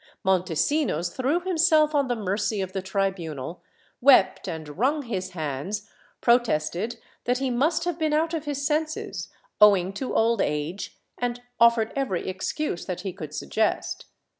Montesinos threw himself on the mercy of the tribunal, wept and wrung his hands, protested that he must have been out of his senses, owing to old age, and offered every excuse that he could suggest.